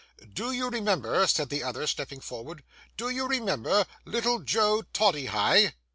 'Do you remember,' said the other, stepping forward,—'do you remember little Joe Toddyhigh?